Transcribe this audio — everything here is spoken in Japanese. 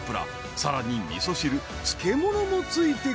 ［さらに味噌汁漬物も付いてくる］